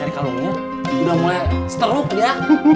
jadi kalungnya udah mulai seteluk dia